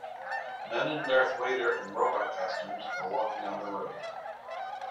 Men in Darth Wader and robot costumes are walking on the road.